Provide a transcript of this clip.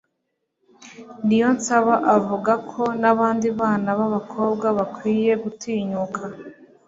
niyonsaba avuga ko n'abandi bana b'abakobwa bakwiye gutinyuka